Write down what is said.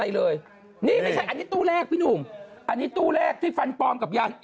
ไม่มีสิเปิดมาก็ว่างเปล่า